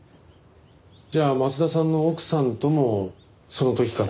じゃあ松田さんの奥さんともその時から？